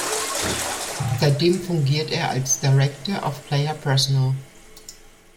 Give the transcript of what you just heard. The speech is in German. Seitdem fungiert er als "Director of Player Personnel".